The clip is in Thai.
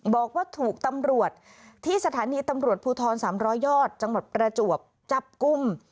บอกว่าถูกตำรวจที่สถานีตำรวจภูทร๓๐๐ยอดจังหวัดประจวบจับกลุ่ม